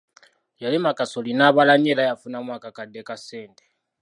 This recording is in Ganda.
Yalima kasooli n'abala nnyo era yafunamu akakadde ka ssente.